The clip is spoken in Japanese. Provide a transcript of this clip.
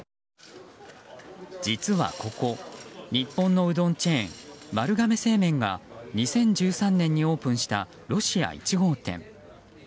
実はここ、日本のうどんチェーン丸亀製麺が２０１３年にオープンしたロシア１号店。